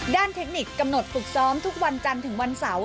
เทคนิคกำหนดฝึกซ้อมทุกวันจันทร์ถึงวันเสาร์